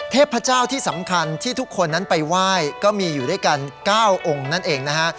เทพเจ้าที่สำคัญที่ทุกคนนั้นไปไหว้ก็มีอยู่ด้วยกัน๙องค์นั่นเองนะฮะ